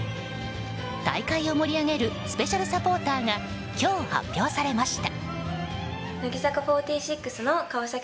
大会を盛り上げるスペシャルサポーターが今日発表されました。